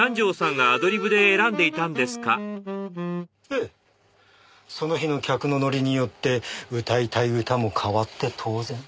ええその日の客のノリによって歌いたい歌も変わって当然。